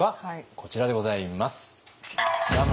こちらでございますジャン。